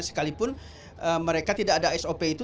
sekalipun mereka tidak ada sop itu